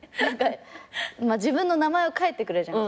自分の名前を書いてくれるじゃん。